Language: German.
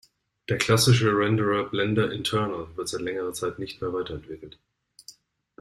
Der klassische Renderer Blender Internal wird seit längerer Zeit nicht mehr weiterentwickelt.